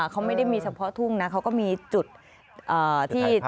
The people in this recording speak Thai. เขาไม่ได้มีเฉพาะทุ่งนะเขาก็มีจุดที่